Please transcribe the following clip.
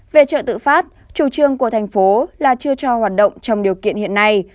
về chợ tự phát chủ trương của thành phố là chưa cho hoạt động trong điều kiện hiện nay